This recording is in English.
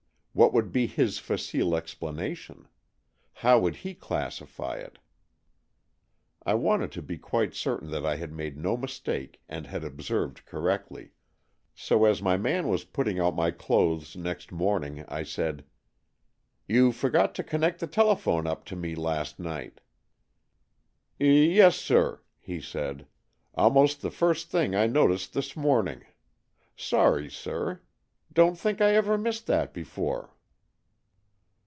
^ What would be his facile explana tion? How would he classify it? I w^anted to be quite certain that I had made no mistake and had observed correctly, so as my man was putting out my clothes next morning, I said, " You forgot to connect the telephone up to me last night." ''Yes, sir," he said. "Almost the first thing I noticed this morning. Sorry, sir. Don't think I ever missed that before."